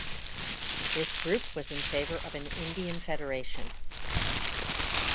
This group was in favor of an Indian federation.